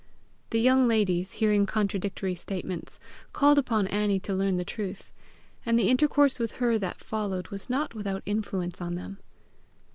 The young ladies, hearing contradictory statements, called upon Annie to learn the truth, and the intercourse with her that followed was not without influence on them.